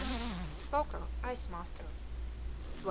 Foker, ice master; 12.